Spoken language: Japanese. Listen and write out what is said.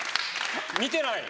見てない？